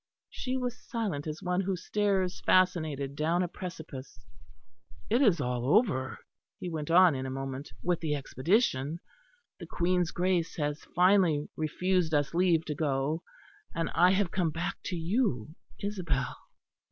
She was silent as one who stares fascinated down a precipice. "It is all over," he went on in a moment, "with the expedition. The Queen's Grace has finally refused us leave to go and I have come back to you, Isabel."